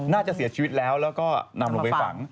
น่าจะเสียชีวิตแล้วแล้วก็นำลงไปฝัง